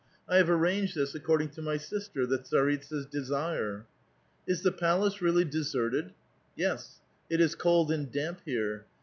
" I have arranged this according to my sister, the tsaritsa's desire." " Is the palace really deserted?" " Yes, it is cold and damp here.